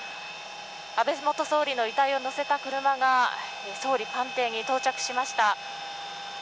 安倍元総理の遺体を乗せた車が総理官邸に到着しました。